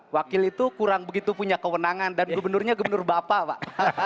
wakil itu kurang begitu punya kewenangan dan gubernurnya gubernur bapak pak